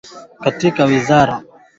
Ahadi za Profesa Wajackoya kwa wakenya